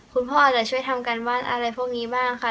คุณพ่ออาจจะช่วยทำการบ้านอะไรพวกนี้บ้างค่ะ